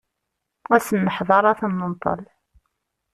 Ad sen-neḥder ad ten-nenṭel.